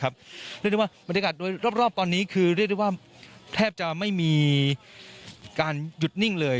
บรรยากาศรอบตอนนี้คือเรียกได้ว่าแทบจะไม่มีการหยุดนิ่งเลย